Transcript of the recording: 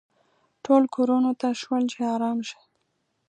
ټول کورونو ته شول چې ارام شي.